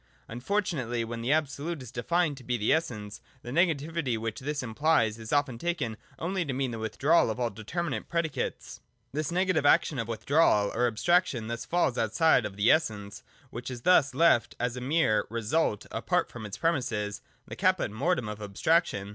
— Unfortunately when the Absolute is defined to be the Essence, the negativity which this implies is often taken only to mean the withdrawal of all determinate predicates. This 2o8 THE DOCTRINE OF ESSENCE. [112. negative action of withdrawal or abstraction thus falls outside of the Essence— which is thus left as a mere result apart from its premisses, — the caput mortuum of abstraction.